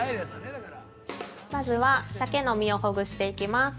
◆まずは、鮭の身をほぐしていきます。